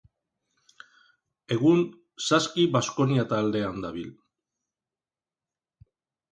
Egun Saski Baskonia taldean dabil.